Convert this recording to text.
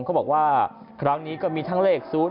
เขาบอกว่าครั้งนี้ก็มีทั้งเลข๐๘